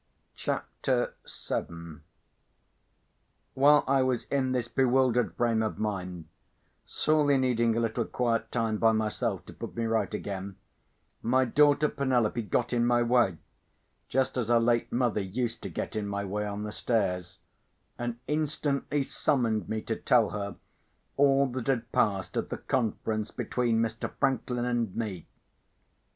CHAPTER VII While I was in this bewildered frame of mind, sorely needing a little quiet time by myself to put me right again, my daughter Penelope got in my way (just as her late mother used to get in my way on the stairs), and instantly summoned me to tell her all that had passed at the conference between Mr. Franklin and me.